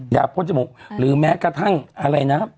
พ่นจมูกหรือแม้กระทั่งอะไรนะ